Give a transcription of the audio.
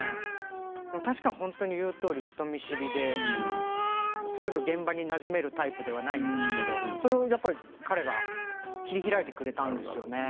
確かに本当に言うとおり人見知りですぐ現場になじめるタイプではないですけれどそれをやっぱり彼が切り開いてくれたんですよね。